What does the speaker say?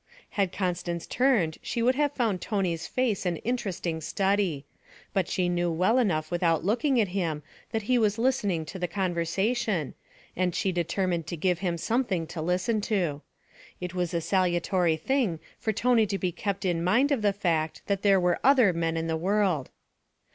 Had Constance turned she would have found Tony's face an interesting study. But she knew well enough without looking at him that he was listening to the conversation, and she determined to give him something to listen to. It was a salutary thing for Tony to be kept in mind of the fact that there were other men in the world.